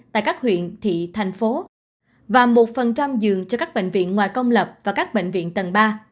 tại các huyện thị thành phố và một giường cho các bệnh viện ngoài công lập và các bệnh viện tầng ba